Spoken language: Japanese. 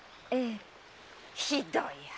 ひどい話。